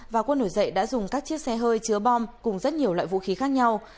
và quân nổi dậy đã dùng các chiếc xe hơi chứa bom cùng rất nhiều loại vũ khí khác nhau